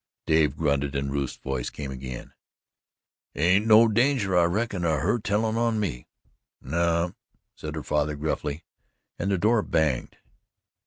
Dave grunted and Rufe's voice came again: "Ain't no danger, I reckon, of her tellin' on me?" "No," said her father gruffly, and the door banged.